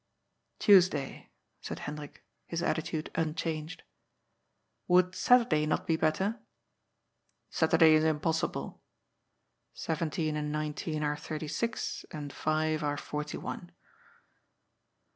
" Tuesday," said Hendrik, his attitude unchanged. « Would Saturday not be better ?"'^ Saturday is impossible. Seventeen and nineteen are thirty six, and five are forty one."